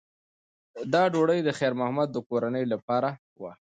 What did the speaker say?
دا ډوډۍ د خیر محمد د کورنۍ لپاره وه.